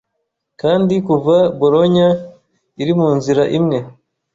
Kandi kuva Bologna iri munzira imwe